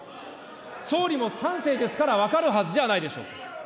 総理も３世ですから分かるはずじゃないでしょうか。